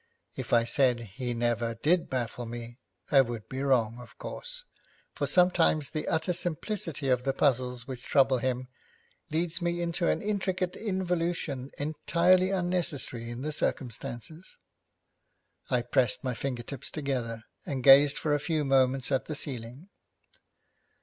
If I said he never did baffle me, I would be wrong, of course, for sometimes the utter simplicity of the puzzles which trouble him leads me into an intricate involution entirely unnecessary in the circumstances. I pressed my fingertips together, and gazed for a few moments at the ceiling.